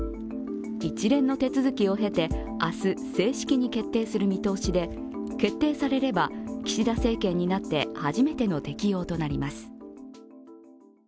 一連の手続きを経て、明日正式に決定する見通しで、決定されれば、岸田政権になって初めての適用となります。